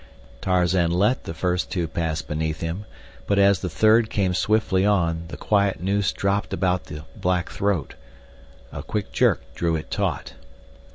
Tarzan let the first two pass beneath him, but as the third came swiftly on, the quiet noose dropped about the black throat. A quick jerk drew it taut.